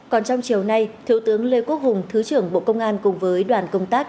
còn trong chiều nay thứ trưởng lê quốc hùng thứ trưởng bộ công an cùng với đoàn công tác